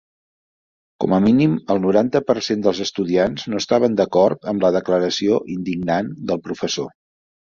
Com a mínim el noranta per cent dels estudiants no estaven d'acord amb la declaració indignant del professor.